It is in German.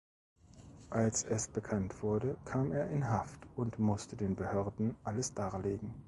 Als es bekannt wurde, kam er in Haft und musste den Behörden alles darlegen.